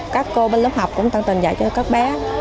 các cô bên lớp học cũng tặng tình dạy cho các bé